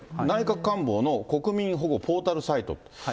内閣官房の国民保護ポータルサイト。